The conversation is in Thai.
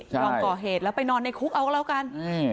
ยอมก่อเหตุแล้วไปนอนในคุกเอาก็แล้วกัน